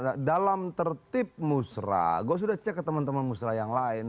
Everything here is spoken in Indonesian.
nah dalam tertib musrah gue sudah cek ke teman teman musrah yang lain